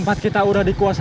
masa kira debatnya semua